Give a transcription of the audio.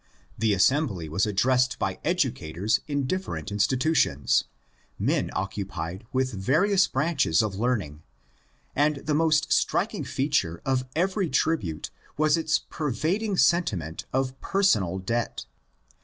The assembly was addressed by educators in different institutions, men occupied with various branches of learning, and the most striking feature of every tribute was its pervad ing sentiment of personal debt.